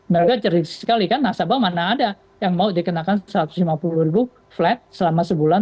mereka cerdik sekali kan nasabah mana ada yang mau dikenakan satu ratus lima puluh ribu flat selama sebulan